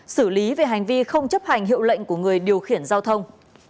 xử lý về hành vi không chấp hành hiệu lệnh của người điều khiển giao thông